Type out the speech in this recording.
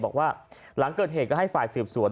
บอกว่าหลังเกิดเหตุก็ให้ฝ่ายสืบสวน